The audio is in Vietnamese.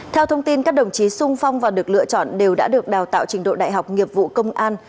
theo thông tin các đồng chí sung phong và được lựa chọn đều đã được đào tạo trình độ đại học nghiệp vụ công an